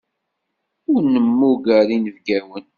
Ur nemmuger inebgawen.